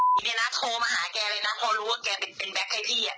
มีเนี่ยนะโทรมาหาแกเลยนะเพราะรู้ว่าแกเป็นแบ็คใครที่อีก